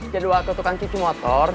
jadi doa ketukan kiki motor